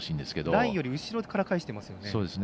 ラインより後ろから返していますね。